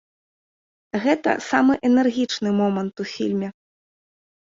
Гэта самы энергічны момант у фільме.